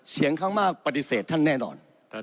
เสียงข้างมากปฏิเสธท่านแน่นอน